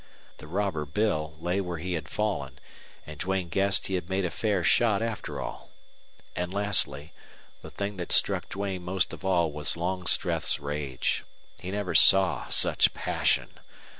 The robber Bill lay where he had fallen, and Duane guessed he had made a fair shot, after all. And, lastly, the thing that struck Duane most of all was Longstreth's rage. He never saw such passion.